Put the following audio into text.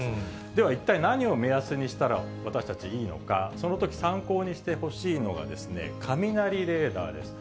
では、一体何を目安にしたら、私たち、いいのか、そのとき、参考にしてほしいのが雷レーダーです。